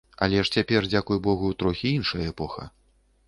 Але ж цяпер, дзякуй богу, трохі іншая эпоха.